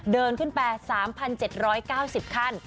เดินขึ้นไปสามพันเจ็ดร้อยเก้าสิบขั้น